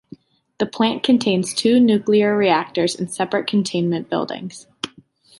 The plant contains two nuclear reactors in separate containment buildings.